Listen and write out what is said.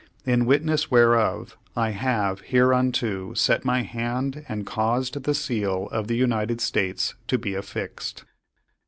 "In witness whereof, I have hereunto set my hand and caused the seal of the United States to be affixed.